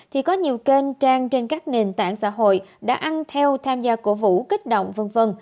thì có nhiều kênh trang trên các nền tảng xã hội đã ăn theo tham gia cổ vũ kích động v v